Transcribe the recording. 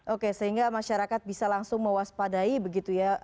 oke sehingga masyarakat bisa langsung mewaspadai begitu ya